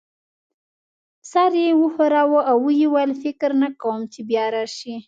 سر یې وښوراوه او ويې ویل: فکر نه کوم چي بیا راشې.